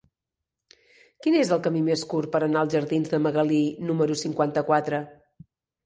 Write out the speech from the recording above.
Quin és el camí més curt per anar als jardins de Magalí número cinquanta-quatre?